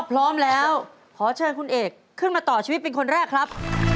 พร้อมแล้วขอเชิญคุณเอกขึ้นมาต่อชีวิตเป็นคนแรกครับ